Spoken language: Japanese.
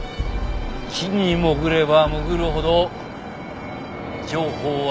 地に潜れば潜るほど情報は